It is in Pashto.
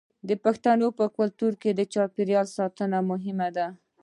د پښتنو په کلتور کې د چاپیریال ساتنه مهمه ده.